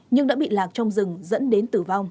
nhưng đã bị lạc trong rừng dẫn đến tử vong